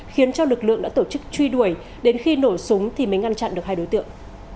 khiến cho lực lượng đã tổ chức truy đuổi đến khi nổ súng thì mới ngăn chặn được hai đối tượng